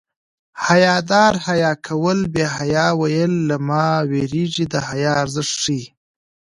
حیادار حیا کوله بې حیا ویل له ما وېرېږي د حیا ارزښت ښيي